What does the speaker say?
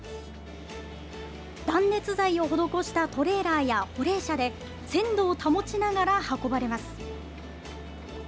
断熱材を施したトレーラーや保冷車で、鮮度を保ちながら運ばれます。